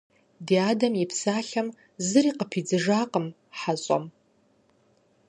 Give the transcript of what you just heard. Ди адэм и псалъэхэм зыри къыпидзыжатэкъым хьэщӀэм.